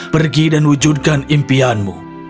pergi dan wujudkan impianmu